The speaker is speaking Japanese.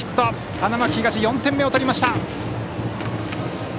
花巻東、４点目を取りました。